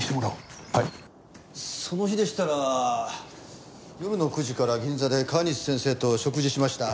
その日でしたら夜の９時から銀座で川西先生と食事しました。